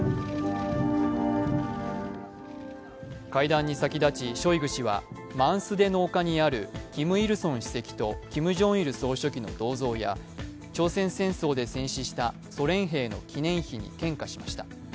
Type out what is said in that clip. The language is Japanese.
会談に先立ち、ショイグ氏はマンスデの丘にあるキム・イルソン主席とキム・ジョンイル総書記の銅像や朝鮮戦争で戦死したソ連兵の記念碑に献花しました。